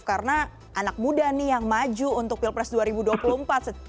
karena anak muda nih yang maju untuk pilpres dua ribu dua puluh empat